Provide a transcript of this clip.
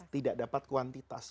tidak dapat kuantitas